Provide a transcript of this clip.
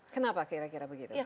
kenapa kira kira begitu